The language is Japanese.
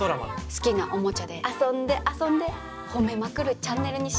好きなおもちゃで遊んで遊んでほめまくるチャンネルにしようかと。